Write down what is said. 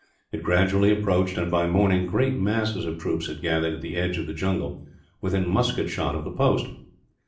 It gradually approached and, by morning, great masses of troops had gathered at the edge of the jungle, within musket shot of the post.